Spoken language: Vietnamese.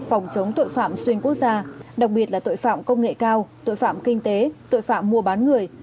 phòng chống tội phạm xuyên quốc gia đặc biệt là tội phạm công nghệ cao tội phạm kinh tế tội phạm mua bán người